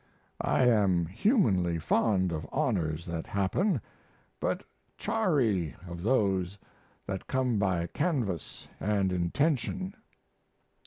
I am humanly fond of honors that happen, but chary of those that come by canvass and intention.